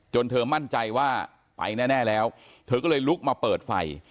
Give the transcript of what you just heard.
เธอมั่นใจว่าไปแน่แล้วเธอก็เลยลุกมาเปิดไฟ